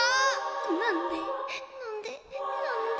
なんでなんでなんで。